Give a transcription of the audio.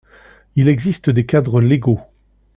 Il existe des cadres légaux.